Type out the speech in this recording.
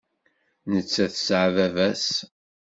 Nettat tesɛa baba-s.